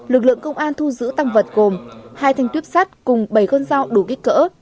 lực lượng công an thu giữ tăng vật gồm hai thành tuyết sát cùng bảy con dao đủ kích cỡ